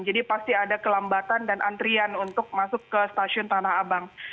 jadi pasti ada kelambatan dan antrian untuk masuk ke stasiun tanah abang